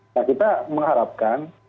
nah kita mengharapkan